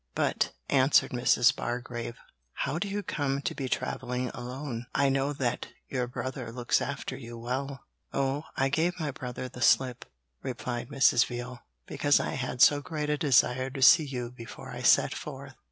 'But,' answered Mrs. Bargrave, 'how do you come to be travelling alone? I know that your brother looks after you well.' 'Oh, I gave my brother the slip,' replied Mrs. Veal, 'because I had so great a desire to see you before I set forth.'